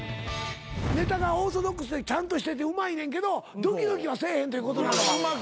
ネタがオーソドックスでちゃんとしててうまいねんけどドキドキはせえへんということなのか。